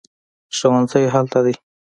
ښوونځی هلته دی